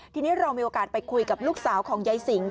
ทีนี้เรามีโอกาสไปคุยกับลูกสาวของยายสิง